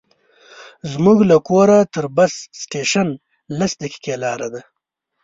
زموږ له کوره تر بس سټېشن لس دقیقې لاره ده.